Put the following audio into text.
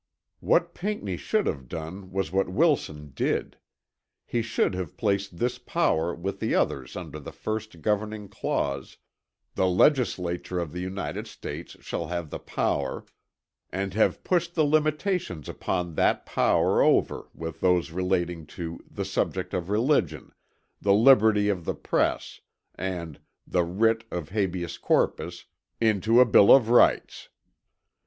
What Pinckney should have done was what Wilson did; he should have placed this power with the others under the first governing clause, "The Legislature of the United States shall have the power," and have pushed the limitations upon that power over with those relating to "the subject of religion," "the liberty of the press" and "the writ of habeas corpus," into a bill of rights.